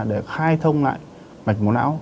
để khai thông lại mạch máu não